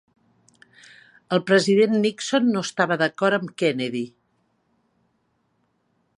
El president Nixon no estava d'acord amb Kennedy.